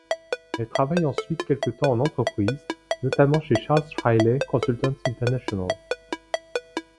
Elle travaille ensuite quelque temps en entreprise, notamment chez Charles Riley Consultants International.